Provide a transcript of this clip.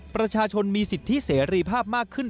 ประชาชนมีสิทธิเสรีภาพมากขึ้น